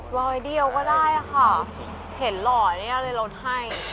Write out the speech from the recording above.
ร้อยเดียวก็ได้ค่ะเห็นหล่อเนี่ยเลยลดให้